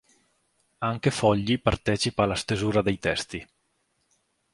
Anche Fogli partecipa alla stesura dei testi.